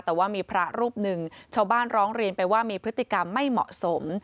แต่ว่ามีพระรูปหนึ่งชาวบ้านร้องเรียนไปว่ามีพฤติกรรมไม่เหมาะสม